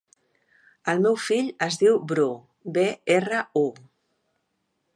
El meu fill es diu Bru: be, erra, u.